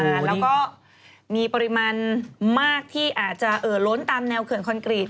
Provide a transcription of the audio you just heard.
แล้วก็มีปริมาณมากที่อาจจะเอ่อล้นตามแนวเขื่อนคอนกรีต